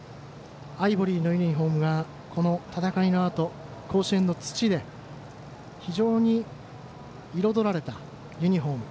アイボリーのユニフォームが戦いのあと甲子園の土で非常に彩られたユニフォーム。